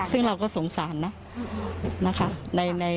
ซึ่งเรากระสุนสานนะ